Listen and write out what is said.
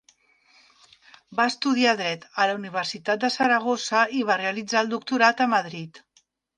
Va estudiar Dret a la Universitat de Saragossa i va realitzar el Doctorat a Madrid.